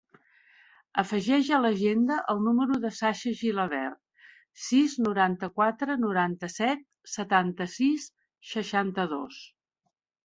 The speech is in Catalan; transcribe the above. Afegeix a l'agenda el número del Sasha Gilabert: sis, noranta-quatre, noranta-set, setanta-sis, seixanta-dos.